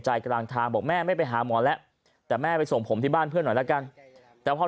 กลางทางบอกแม่ไม่ไปหาหมอแล้วแต่แม่ไปส่งผมที่บ้านเพื่อนหน่อยละกันแต่พอ